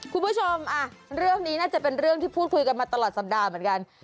คุณผู้ชมเรื่องนี้น่าจะเป็นเรื่องที่พูดคุยกันมาตลอดสัปดาห์เหมือนกัน